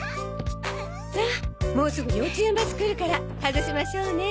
さあもうすぐ幼稚園バス来るから外しましょうね。